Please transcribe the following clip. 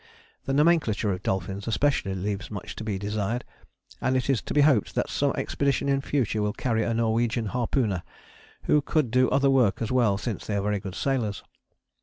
The nomenclature of dolphins especially leaves much to be desired, and it is to be hoped that some expedition in the future will carry a Norwegian harpooner, who could do other work as well since they are very good sailors.